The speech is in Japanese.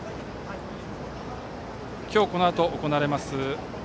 今日、このあと行われます